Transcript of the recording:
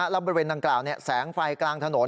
แล้วบริเวณดังกล่าวแสงไฟกลางถนน